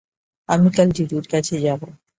আমি কাল জুরির কাছে যাব।